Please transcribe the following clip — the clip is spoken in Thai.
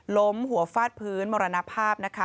ล้มหัวฟาดพื้นมรณภาพนะคะ